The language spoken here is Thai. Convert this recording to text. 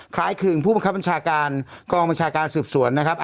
ขึงผู้บังคับบัญชาการกองบัญชาการสืบสวนนะครับ